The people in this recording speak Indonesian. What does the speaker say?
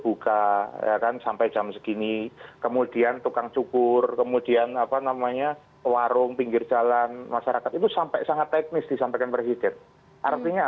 bikin diri menunjukkan di daya wegok sebelumnya sederhana